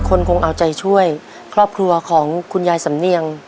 คงเอาใจช่วยครอบครัวของคุณยายสำเนียง